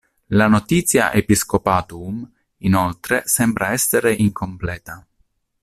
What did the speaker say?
La "Notitia episcopatuum" inoltre sembra essere incompleta.